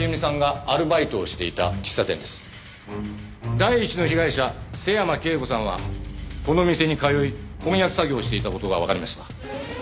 第一の被害者瀬山圭子さんはこの店に通い翻訳作業をしていた事がわかりました。